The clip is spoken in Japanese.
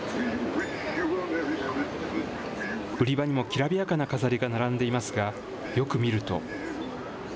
売り場にもきらびやかな飾りが並んでいますが、よく見ると。